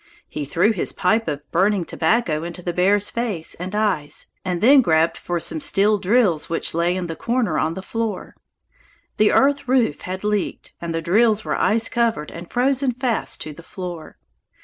He threw his pipe of burning tobacco into the bear's face and eyes, and then grabbed for some steel drills which lay in the corner on the floor. The earth roof had leaked, and the drills were ice covered and frozen fast to the floor.